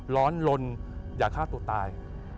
ร้อนลนอย่าฆ่าตัวตาย